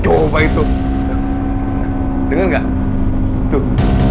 coba itu enggak tuh